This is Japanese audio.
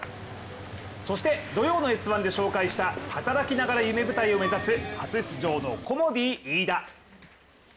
そして土曜の「Ｓ☆１」で紹介した、働きながら夢舞台を目指す初出場のコモディイイダ。